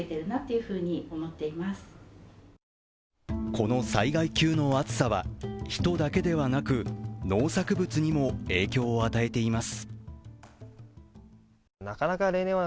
この災害級の暑さは人だけではなく農作物にも影響を与えています。